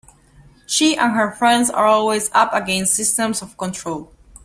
She and her friends are always up against systems of control.